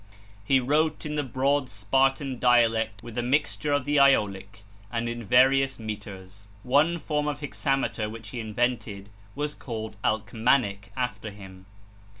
He wrote in the broad Spartan dialect with a mixture of the Aeolic, and in various metres. One form of hexameter which he invented was called Alcmanic after him.